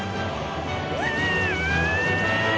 うわ！